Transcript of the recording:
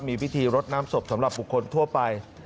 มีพิธีรดน้ำศพสำหรับบุคคลทั่วไป